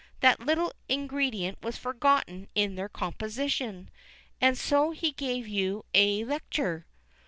That little ingredient was forgotten in their composition. And so he gave you a lecture?"